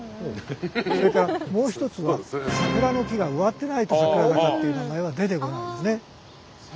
それからもう一つは桜の木が植わっていないと桜坂っていう名前は出てこないですね。